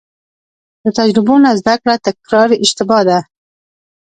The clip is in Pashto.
له تجربو نه زده کړه تکراري اشتباه ده.